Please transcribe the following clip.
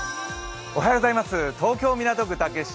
東京・港区竹芝